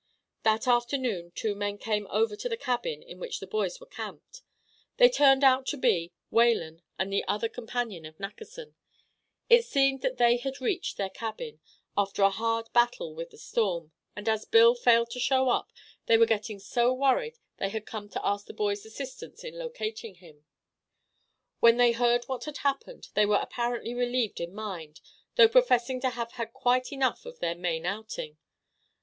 That afternoon two men came over to the cabin in which the boys were camped. They turned out to be Whalen and the other companion of Nackerson. It seemed that they had reached their cabin after a hard battle with the storm; and as Bill failed to show up, they were getting so worried they had come to ask the boys' assistance in locating him. When they heard what had happened, they were apparently relieved in mind, though professing to have had quite enough of their Maine outing.